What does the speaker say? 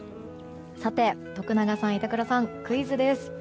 さて、徳永さん、板倉さんクイズです。